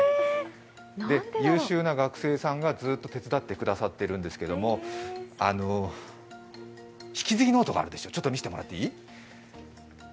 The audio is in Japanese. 優秀な学生さんがずっと手伝ってくださっているんですが引き継ぎノートがあるでしょ、ちょっと見せてもらっていい？